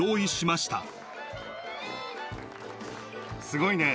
すごいね。